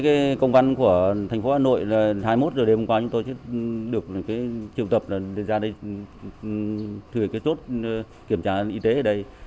cái công văn của thành phố hà nội là hai mươi một giờ đêm hôm qua chúng tôi được triều tập ra đây thử cái chốt kiểm tra y tế ở đây